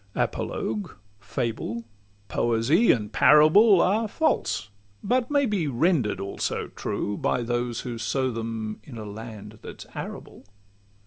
Apologue, fable, poesy, and parable, Are false, but may he render'd also true, By those who sow them in a land that 's arable.